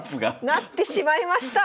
成ってしまいました。